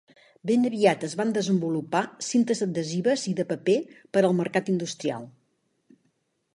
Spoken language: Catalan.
Ben aviat es van desenvolupar cintes adhesives i de paper per al mercat industrial.